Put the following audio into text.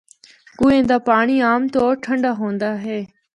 کنووے دا پانڑی عام طور ٹھنڈا ہوندا ہے۔